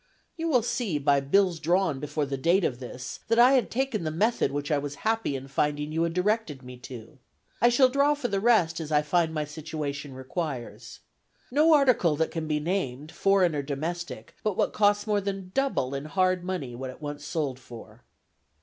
You will see, by bills drawn before the date of this, that I had taken the method which I was happy in finding you had directed me to. I shall draw for the rest as I find my situation requires. No article that can be named, foreign or domestic, but what costs more than double in hard money what it once sold for."